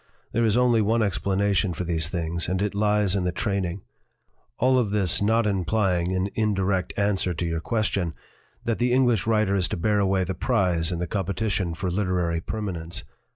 There is only one explanation for these things, and it lies in the training. All of this not implying, in in direct answer to your question, that the English 176 BUSINESS AND ART writer is to bear away the prize in the competition for literary permanence.